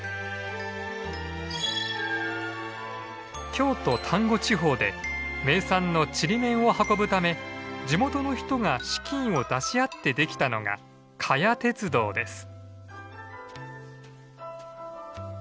京都丹後地方で名産のちりめんを運ぶため地元の人が資金を出し合ってできたのが加悦鉄道です。